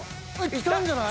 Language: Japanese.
きたんじゃない？